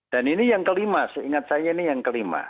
dan ini yang kelima seingat saya ini yang kelima